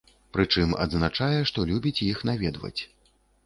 Прычым, адзначае, што любіць іх наведваць.